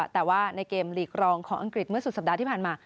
แต่ว่าในเกมลีกรองของอังกฤษเมื่อสุดสัปดาห์ที่ผ่านมา